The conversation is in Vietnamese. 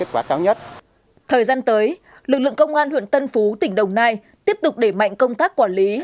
kết quả thời gian tới lực lượng công an huyện tân phú tỉnh đồng nai tiếp tục để mạnh công tác quản lý